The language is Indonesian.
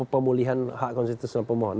pemulihan hak konstitusional pemohonan